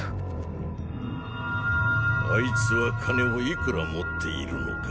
あいつは“金”をいくら持っているのか。